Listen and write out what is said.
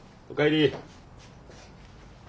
おかえり。